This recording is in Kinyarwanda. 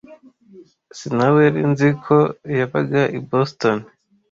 Sinaweri nzi ko yabaga i Boston.